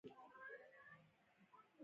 ډرامه د تاریخ کیسه کوي